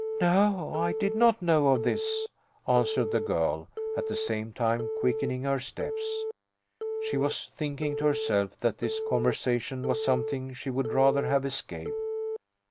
"No, I did not know of this," answered the girl, at the same time quickening her steps. She was thinking to herself that this conversation was something she would rather have escaped.